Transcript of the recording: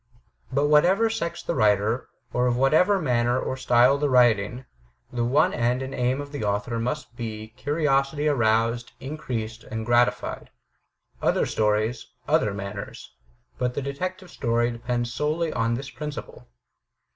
But of whatever sex the writer, or of whatever manner or style the setting, the one end and aim of the author must be curiosity aroused, increased and gratified. Other stories, other manners; but the Detective Story depends solely on this principle.